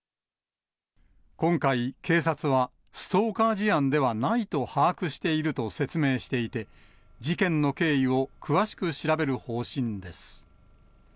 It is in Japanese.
今回、警察はストーカー事案ではないと把握していると説明していて、事件の経緯を詳しく調べる方針です。